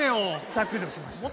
削除しました。